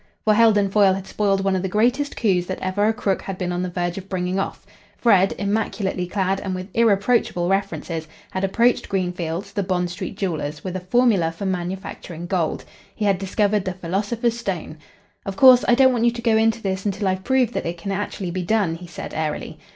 For Heldon Foyle had spoiled one of the greatest coups that ever a crook had been on the verge of bringing off. Fred, immaculately clad, and with irreproachable references, had approached Greenfields, the Bond Street jewellers, with a formula for manufacturing gold. He had discovered the philosopher's stone. "Of course, I don't want you to go into this until I've proved that it can actually be done," he said airily.